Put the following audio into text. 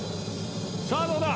さあどうだ？